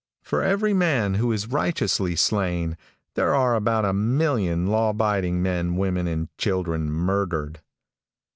For every man who is righteously slain, there are about a million law abiding men, women and children murdered.